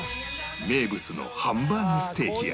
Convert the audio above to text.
名物のハンバーグステーキや